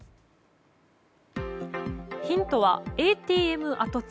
ヒントはＡＴＭ跡地。